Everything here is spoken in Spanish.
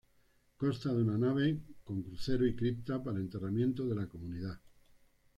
Consta de una nave con crucero y cripta para enterramiento de la comunidad.